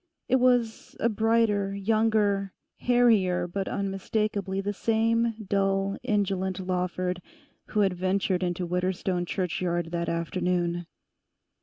It was a brighter, younger, hairier, but unmistakably the same dull indolent Lawford who had ventured into Widderstone churchyard that afternoon.